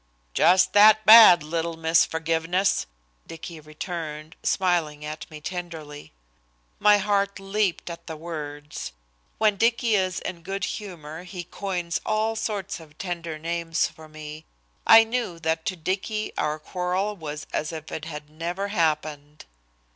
"Just that bad, little Miss Forgiveness," Dicky returned, smiling at me tenderly. My heart leaped at the words. When Dicky is in good humor he coins all sorts of tender names for me. I knew that to Dicky our quarrel was as if it had never happened.